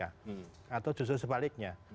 atau justru sebaliknya